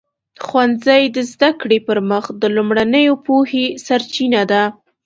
ښوونځی د زده کړې پر مخ د لومړنیو پوهې سرچینه ده.